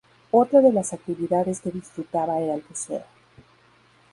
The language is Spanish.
Otra de las actividades que disfrutaba era el buceo.